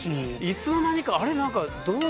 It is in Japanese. いつの間にかあれ？